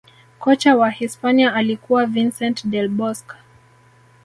kocha wa hisipania alikuwa vincent del bosque